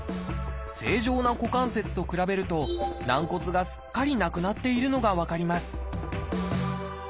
正常な股関節と比べると軟骨がすっかりなくなっているのが分かります